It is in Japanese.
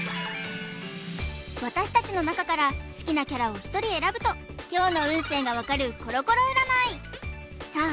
私たちの中から好きなキャラをひとり選ぶと今日の運勢がわかるコロコロ占いさあ